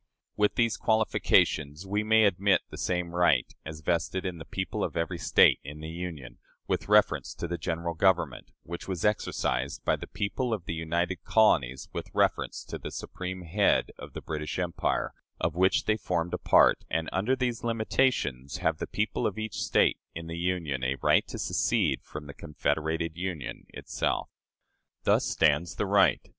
"With these qualifications, we may admit the same right as vested in the people of every State in the Union, with reference to the General Government, which was exercised by the people of the united colonies with reference to the supreme head of the British Empire, of which they formed a part; and under these limitations have the people of each State in the Union a right to secede from the confederated Union itself. "Thus stands the RIGHT.